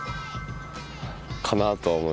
かなあとは思います